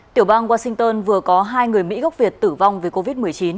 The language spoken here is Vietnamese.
tiểu bang washington vừa có hai người mỹ gốc việt tử vong vì covid một mươi chín